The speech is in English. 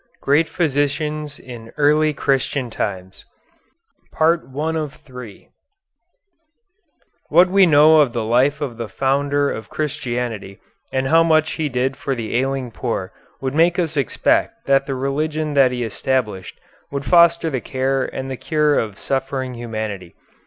II GREAT PHYSICIANS IN EARLY CHRISTIAN TIMES What we know of the life of the Founder of Christianity and how much He did for the ailing poor would make us expect that the religion that He established would foster the care and the cure of suffering humanity.